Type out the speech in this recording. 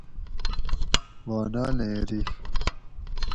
بانالیں ری